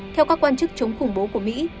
theo các quan chức chống khủng bố của mỹ